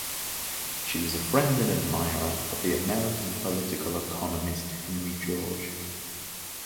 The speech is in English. She was a friend and admirer of the American political economist Henry George.